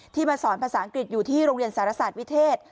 มาสอนภาษาอังกฤษอยู่ที่โรงเรียนสารศาสตร์วิเทศ